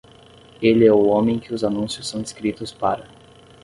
Ele é o homem que os anúncios são escritos para.